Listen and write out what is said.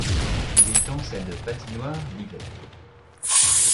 L'étang sert de patinoire l'hiver.